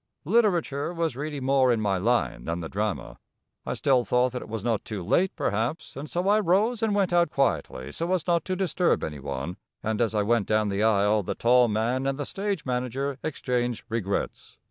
Literature was really more in my line than the drama. I still thought that it was not too late, perhaps, and so I rose and went out quietly so as not to disturb any one, and as I went down the aisle the tall man and stage manager exchanged regrets.